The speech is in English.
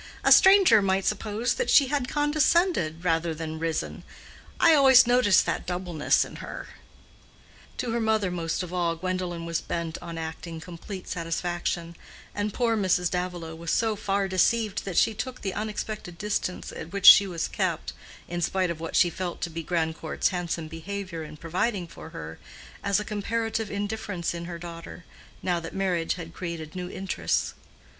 "A stranger might suppose that she had condescended rather than risen. I always noticed that doubleness in her." To her mother most of all Gwendolen was bent on acting complete satisfaction, and poor Mrs. Davilow was so far deceived that she took the unexpected distance at which she was kept, in spite of what she felt to be Grandcourt's handsome behavior in providing for her, as a comparative indifference in her daughter, now that marriage had created new interests.